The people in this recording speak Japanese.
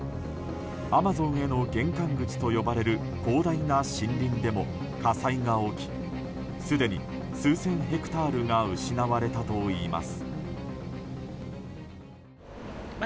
アマゾンへの玄関口と呼ばれる広大な森林でも火災が起きすでに数千ヘクタールが失われたといいます。